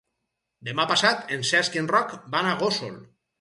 Demà passat en Cesc i en Roc van a Gósol.